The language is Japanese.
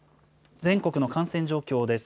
全国の感染状況です。